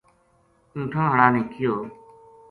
اونٹھاں ہاڑا نے کہیو ـ